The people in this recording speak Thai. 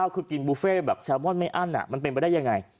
คือกินบุฟเฟ่แบบแซลมอนไม่อั้นมันเป็นไปได้ยังไง